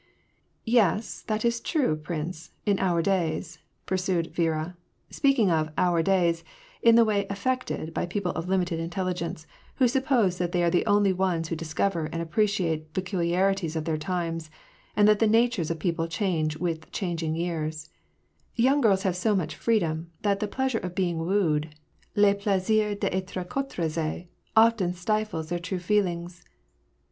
" Yes, that is true, prince ; in our days," pursued Viera, — speaking of "our days " in the way affected by people of limited intelligence, who suppose that they are the only ones who dis cover and appreciate the peculiarities of their time, and that the natures of people change with the changing years — "young girls have so much freedom, that the pleasure of being wooed — le plaisir (Petre courtisee — often stifles their true feelings.